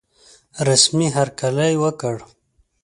رسمي هرکلی وکړ.